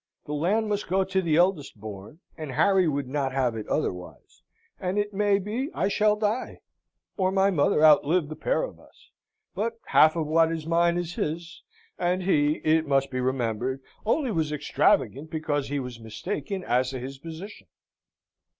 "The land must go to the eldest born, and Harry would not have it otherwise: and it may be I shall die, or my mother outlive the pair of us. But half of what is mine is his: and he, it must be remembered, only was extravagant because he was mistaken as to his position."